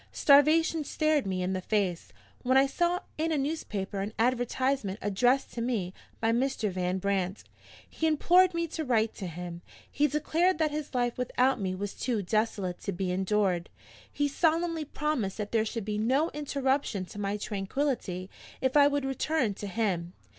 Starvation stared me in the face, when I saw in a newspaper an advertisement addressed to me by Mr. Van Brandt. He implored me to write to him; he declared that his life without me was too desolate to be endured; he solemnly promised that there should be no interruption to my tranquillity if I would return to him.